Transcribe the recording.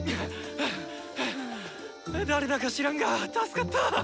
誰だか知らんが助かった。